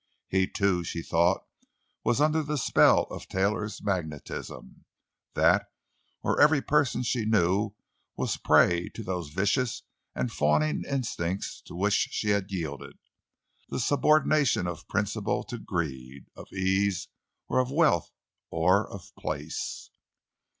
He, too, she thought, was under the spell of Taylor's magnetism. That, or every person she knew was a prey to those vicious and fawning instincts to which she had yielded—the subordination of principle to greed—of ease, or of wealth, or of place.